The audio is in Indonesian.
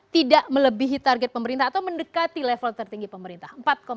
tidak melebihi target pemerintah atau mendekati level tertinggi pemerintah